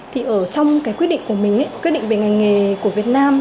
thì ở trong cái quyết định của mình quyết định về ngành nghề của việt nam